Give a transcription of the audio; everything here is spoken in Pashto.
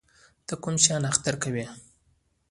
ته کوم شیان اختر کوې؟